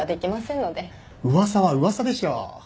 噂は噂でしょ。